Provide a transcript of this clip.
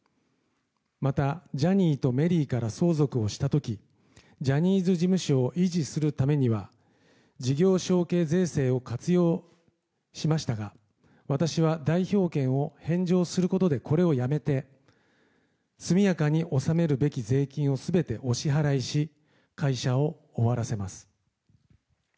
また、ジャニーとメリーから相続をした時ジャニーズ事務所を維持するためには事業承継税制を活用しましたが私は代表権を返上することでこれをやめて速やかに納めるべき税金を全てお支払いし会社を終わらせます。